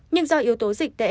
nhưng do yếu tố dịch tễ